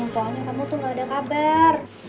soalnya kamu tuh gak ada kabar